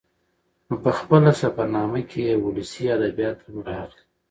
نو په خپله سفر نامه کې يې ولسي ادبيات هم راخلي